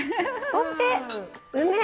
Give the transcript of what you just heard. そして、梅。